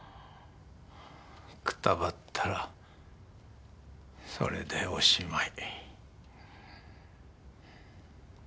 くたばったらそれでおしまい。